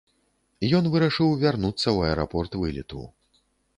Ён вырашыў вярнуцца ў аэрапорт вылету.